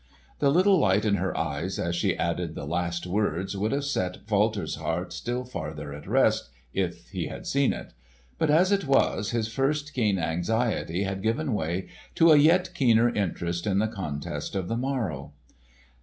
The little light in her eyes as she added the last words would have set Walter's heart still farther at rest, if he had seen it; but as it was, his first keen anxiety had given way to a yet keener interest in the contest of the morrow.